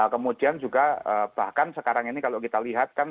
kemudian juga bahkan sekarang ini kalau kita lihat kan